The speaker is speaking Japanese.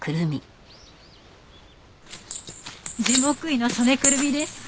樹木医の曽根くるみです。